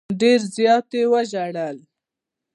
ډېر زیات یې وژړل.